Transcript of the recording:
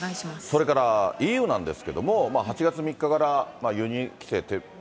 それからＥＵなんですけども、８月３日から、輸入規制撤廃。